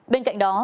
bên cạnh đó